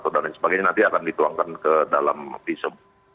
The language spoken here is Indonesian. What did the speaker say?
dan sebagainya nanti akan dituangkan ke dalam visum